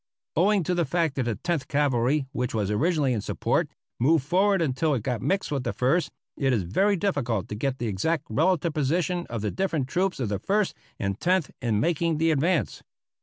Owing to the fact that the Tenth Cavalry, which was originally in support, moved forward until it got mixed with the First, it is very difficult to get the exact relative position of the different troops of the First and Tenth in making the advance.